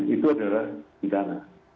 itu adalah hitam